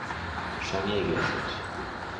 Sonia Iglesias.